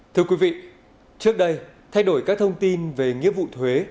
thưa quý vị trước đây thay đổi các thông tin về nghĩa vụ thuế